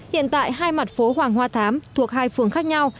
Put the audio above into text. hiện tại hai mặt phố hoàng hoa thám thuộc hai phường khác nhau